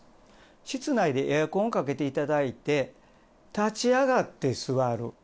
室内でエアコンをかけていただいて、立ち上がって座る。